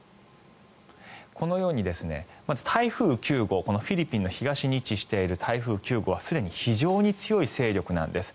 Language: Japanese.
このように、まず台風９号フィリピンの東に位置している台風９号はすでに非常に強い勢力なんです。